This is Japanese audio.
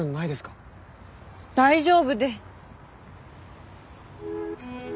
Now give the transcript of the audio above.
大丈夫で。